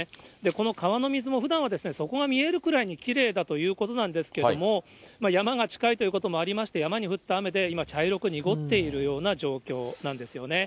この川の水も、ふだんは底が見えるぐらいにきれいだということなんですけれども、山が近いということもありまして、山に降った雨で、今、茶色く濁っているような状況なんですよね。